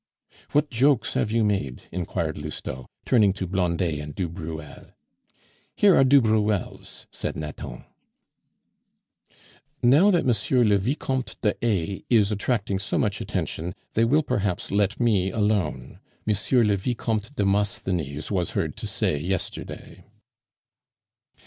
"What jokes have you made?" inquired Lousteau, turning to Blondet and du Bruel. "Here are du Bruel's," said Nathan. "Now, that M. le Vicomte d'A is attracting so much attention, they will perhaps let me alone," M. le Vicomte Demosthenes was heard to say yesterday.